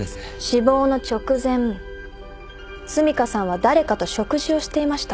死亡の直前澄香さんは誰かと食事をしていました。